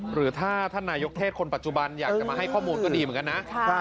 หรือถ้าท่านนายกเทศคนปัจจุบันอยากจะมาให้ข้อมูลก็ดีเหมือนกันนะ